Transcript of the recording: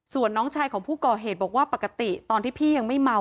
ส่วนน้องชายของผู้ก่อเหตุบอกว่าปกติตอนที่พี่ยังไม่เมา